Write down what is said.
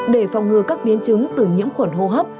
để phòng ngừa các biến chứng từ nhiễm khuẩn hô hấp